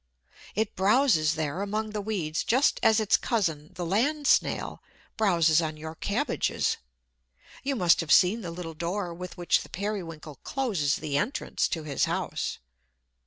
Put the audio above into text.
It browses there, among the weeds, just as its cousin, the land Snail, browses on your cabbages. You must have seen the little door with which the Periwinkle closes the entrance to his house.